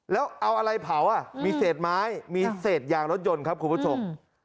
แล้วเอาอะไรเผามีเศษไม้มีเศษยางรถยนต์ครับคุณผู้ชม